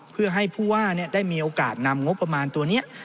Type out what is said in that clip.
เพื่อให้ผู้ว่าได้มีโอกาสนำงบประมาณตัวนี้